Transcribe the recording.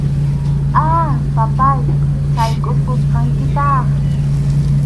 A, papáy, saykʼurqusqankitaq.